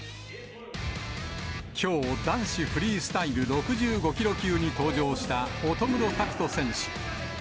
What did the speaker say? きょう、男子フリースタイル６５キロ級に登場した乙黒拓斗選手。